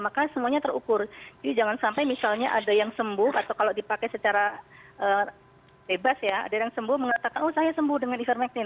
maka semuanya terukur jadi jangan sampai misalnya ada yang sembuh atau kalau dipakai secara bebas ya ada yang sembuh mengatakan oh saya sembuh dengan ivermectin